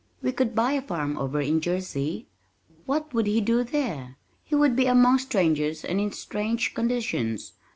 "We could buy a farm over in Jersey." "What would he do there? He would be among strangers and in strange conditions.